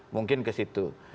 mungkin ke situ